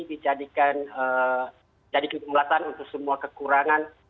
dijadikan jadi kemulatan untuk semua kekurangan